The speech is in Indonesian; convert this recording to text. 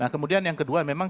kemudian yang kedua memang